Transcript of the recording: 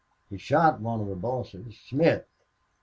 He shot one of the bosses Smith."